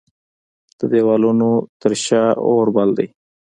د دیوالونو تر شا اوربل دی